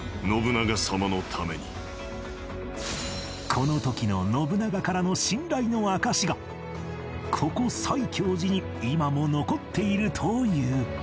この時の信長からの信頼の証しがここ西教寺に今も残っているという